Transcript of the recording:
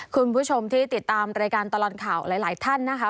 คุณผู้ชมที่ติดตามรายการตลอดข่าวหลายท่านนะคะ